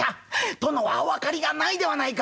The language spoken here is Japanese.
殿はお分かりがないではないか」。